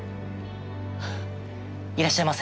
いらっしゃいませ。